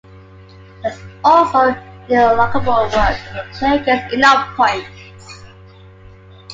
There is also an unlockable world if the player gets enough points.